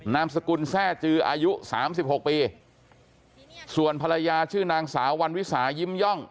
นามสกุลแทร่จืออายุสามสิบหกปีส่วนภรรยาชื่อนางสาววันวิสายิ้มย่อง